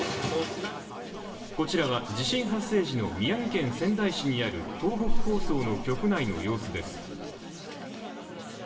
こちらは地震発生時の宮城県仙台市にある東北放送の局内の様子です。